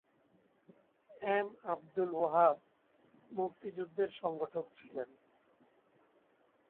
M Abdul Wahab মুক্তিযুদ্ধের সংগঠক ছিলেন।